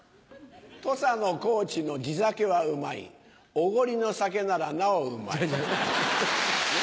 土佐の高知の地酒はうまいおごりの酒ならなおうまい。